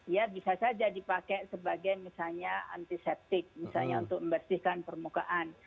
ya bisa saja dipakai sebagai misalnya antiseptik misalnya untuk membersihkan permukaan